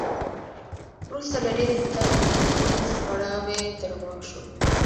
وروسته له ډیر انتظار نه د پښو څپړاوی تر غوږ شو.